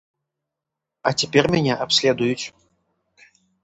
А цяпер мяне абследуюць.